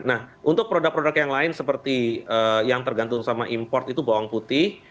nah untuk produk produk yang lain seperti yang tergantung sama import itu bawang putih